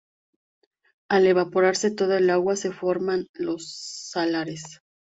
Al evaporarse toda el agua se forman los salares.